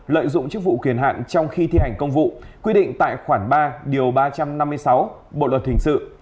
lợi dụng chức vụ quyền hạng trong khi thi hành công vụ quy định tại khoản ba điều ba trăm năm mươi sáu bộ luật thình sự